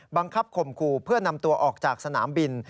บังคับคมครูเพื่อนำตัวออกจากสนามบิน